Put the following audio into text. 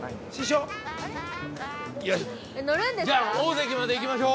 大関まで行きましょう。